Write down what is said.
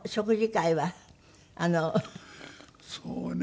そうね。